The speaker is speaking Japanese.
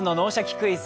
クイズ」